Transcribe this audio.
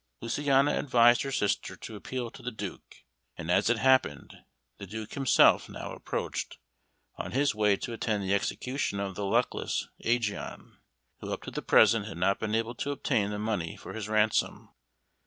Luciana advised her sister to appeal to the Duke, and as it happened, the Duke himself now approached, on his way to attend the execution of the luckless Ægeon, who up to the present had not been able to obtain the money for his ransom.